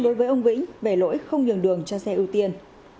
đối với ông vĩnh về lỗi không nhường đường cho xe ưu tiên